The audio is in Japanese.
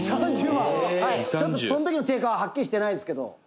「ちょっとその時の定価ははっきりしてないですけど」